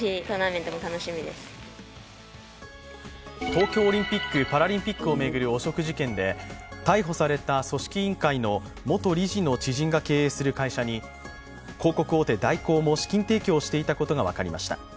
東京オリンピック・パラリンピックを巡る汚職事件で逮捕された組織委員会の元理事の知人が経営する会社に広告大手、大広も資金提供していたことが分かりました。